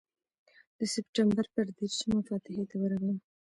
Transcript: د سپټمبر پر دېرشمه فاتحې ته ورغلم.